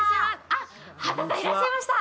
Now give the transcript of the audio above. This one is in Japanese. あっ波多さんいらっしゃいました